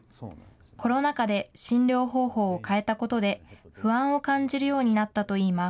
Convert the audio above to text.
コロナ禍で診療方法を変えたことで、不安を感じるようになったといいます。